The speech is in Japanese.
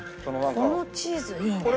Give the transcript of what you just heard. このチーズいいねこれ。